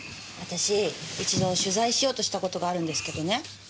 私一度取材しようとした事があるんですけどね。